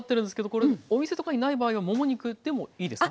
これお店とかにない場合はもも肉でもいいですか？